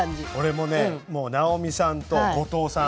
もう直美さんと後藤さん